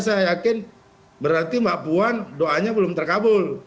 saya yakin berarti mbak puan doanya belum terkabul